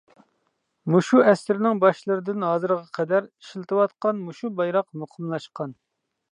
مۇشۇ ئەسىرنىڭ باشلىرىدىن ھازىرغا قەدەر ئىشلىتىۋاتقان مۇشۇ بايراق مۇقىملاشقان.